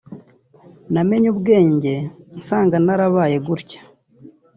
Namenye ubwenge nsanga narabaye gutya